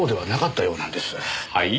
はい？